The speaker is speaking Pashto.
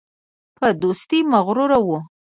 په دوستۍ مغرور وو.